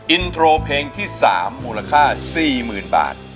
อินโทรเพลงที่๓มูลค่า๔๐๐๐บาท